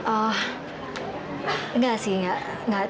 ehm enggak sih enggak